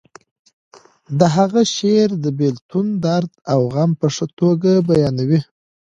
د هغه شعر د بیلتون درد او غم په ښه توګه بیانوي